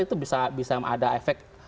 itu bisa ada efek